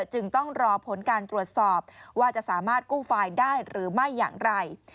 จึงต้องรอผลการตรวจสอบว่าจะสามารถกู้ไฟล์ได้หรือไม่อย่างไร